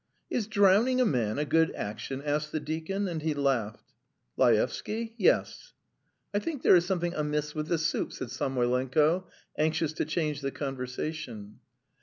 "Is drowning a man a good action?" asked the deacon, and he laughed. "Laevsky? Yes." "I think there is something amiss with the soup ..." said Samoylenko, anxious to change the conversation.